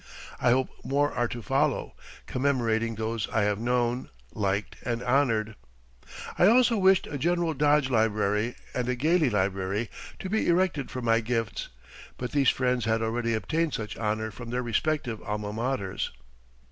I hope more are to follow, commemorating those I have known, liked, and honored. I also wished a General Dodge Library and a Gayley Library to be erected from my gifts, but these friends had already obtained such honor from their respective Alma Maters.